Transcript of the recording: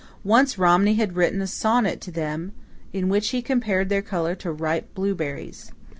Once Romney had written a sonnet to them in which he compared their colour to ripe blueberries.